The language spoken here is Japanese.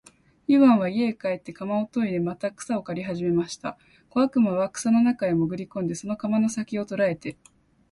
イワンは家へ帰って鎌をといでまた草を刈りはじめました。小悪魔は草の中へもぐり込んで、その鎌の先きを捉えて、